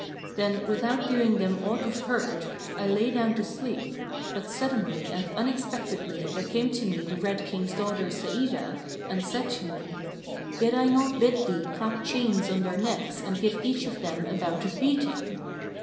Then without doing them aught of hurt, I lay down to sleep, but suddenly and unexpectedly there came to me the Red King's daughter Sa'idah and said to me, 'Did I not bid thee clap chains on their necks and give each of them a bout of beating?'